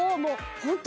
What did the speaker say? ホントに！